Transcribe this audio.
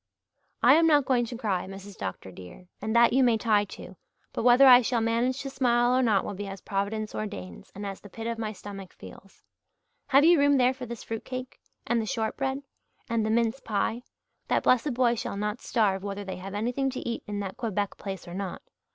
"I am not going to cry, Mrs. Dr. dear, and that you may tie to, but whether I shall manage to smile or not will be as Providence ordains and as the pit of my stomach feels. Have you room there for this fruit cake? And the shortbread? And the mince pie? That blessed boy shall not starve, whether they have anything to eat in that Quebec place or not.